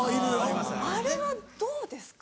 あれはどうですか？